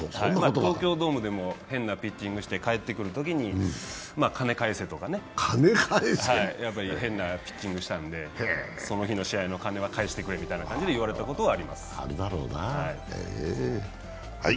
東京ドームでも変なピッチングして帰ってくるときに「金返せ」とかね、変なピッチングしたんでその日の試合の金は返してくれみたいな感じで言われたことはあります。